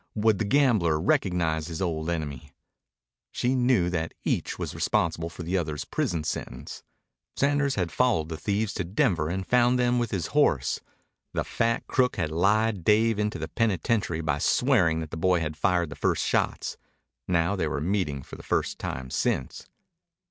Would the gambler recognize his old enemy? She knew that each was responsible for the other's prison sentence. Sanders had followed the thieves to Denver and found them with his horse. The fat crook had lied Dave into the penitentiary by swearing that the boy had fired the first shots. Now they were meeting for the first time since.